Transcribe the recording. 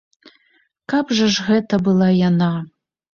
Каб жа ж гэта была яна!